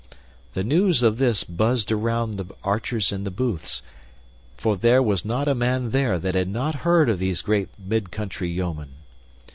The news of this buzzed around among the archers in the booths, for there was not a man there that had not heard of these great mid country yeomen.